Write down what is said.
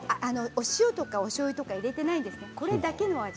お塩とかおしょうゆを入れていないんです。